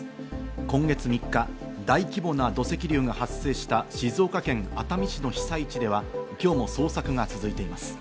今月３日、大規模な土石流が発生した静岡県熱海市の被災地では今日も捜索が続いています。